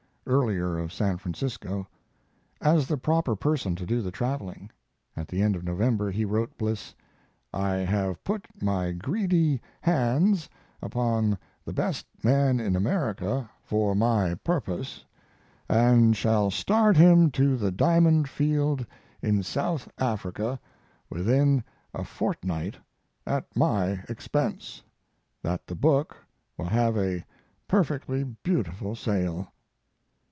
] (earlier of San Francisco), as the proper person to do the traveling. At the end of November he wrote Bliss: I have put my greedy hands upon the best man in America for my purpose, and shall start him to the diamond field in South Africa within a fortnight at my expense... that the book will have a perfectly beautiful sale.